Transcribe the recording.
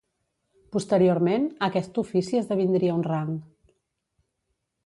Posteriorment, aquest ofici esdevindria un rang.